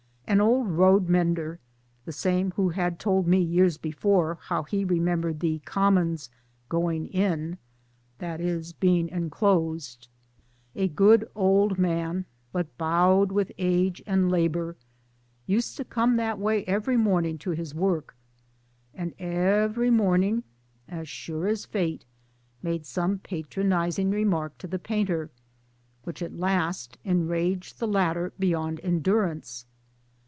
An old road mender (the same who had told me years before how he remembered the Commons " going in " i.e. being enclosed) RURAL CONDITIONS 285 a good old man but bowed with age and labour used to come that way every morning to his work ; and every morning, as sure as Fate, made some patronizing remark to the painter, which at last enraged the latter beyond endurance.